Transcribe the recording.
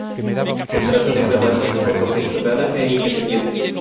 Se trata de una banda autogestionada e independiente.